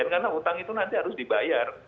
karena utang itu nanti harus dibayar